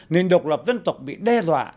nền độc lập dân tộc bị đe dọa